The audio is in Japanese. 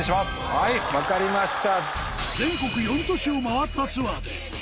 はい分かりました。